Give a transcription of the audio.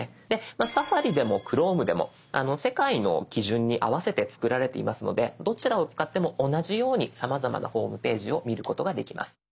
「Ｓａｆａｒｉ」でも「Ｃｈｒｏｍｅ」でも世界の基準に合わせて作られていますのでどちらを使っても同じようにさまざまなホームページを見ることができます。